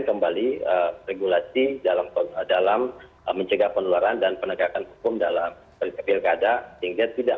kembali regulasi dalam mencegah penularan dan penegakan hukum dalam pilkada sehingga tidak